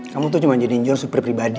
kamu tuh cuma jadiin john super pribadi